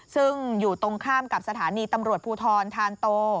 ซึ่งอยู่ตรงข้ามกับสถานีตำรวจภูทรธานโต